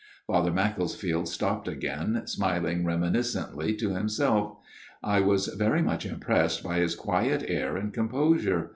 Father Macclesfield stopped again, smiling reminiscently to himself. I was very much impressed by his quiet air and composure.